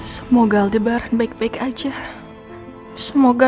si buruk rupa